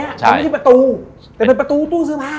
เป็นที่ประตูแต่เป็นประตูตู้เสื้อผ้า